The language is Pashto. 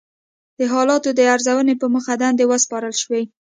د حالاتو د ارزونې په موخه دندې وسپارل شوې.